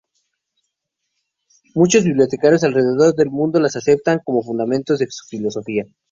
Muchos bibliotecarios alrededor del mundo las aceptan como fundamentos de su filosofía.